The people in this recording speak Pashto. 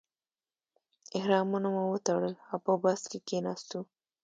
احرامونه مو وتړل او په بس کې کیناستو.